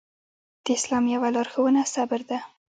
د اسلام يوه لارښوونه صبر ده.